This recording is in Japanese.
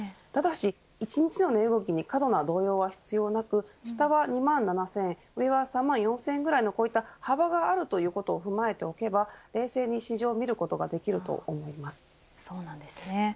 ただし１日の値動きに過度な動揺は必要なく下は２万７０００円上は３万４０００円の幅があることを踏まえておけば冷静に市場を見ることができると思います。